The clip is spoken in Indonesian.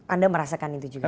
anda merasakan itu juga